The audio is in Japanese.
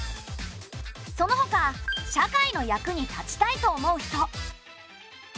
そのほか社会の役に立ちたいと思う人